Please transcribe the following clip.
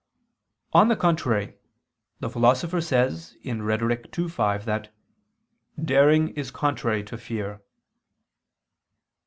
On the contrary, The Philosopher says (Rhet. ii, 5) that "daring is contrary to fear."